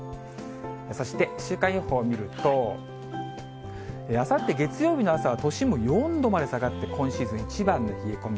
そして、週間予報を見ると、あさって月曜日の朝は都心部４度まで下がって、今シーズン一番の冷え込み。